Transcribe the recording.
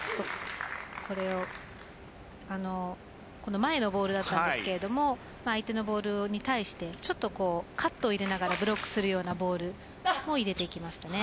この前のボールだったんですけれど相手のボールに対してちょっとカットを入れながらブロックするようなボールを入れてきましたね。